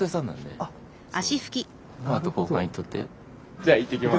じゃあいってきます。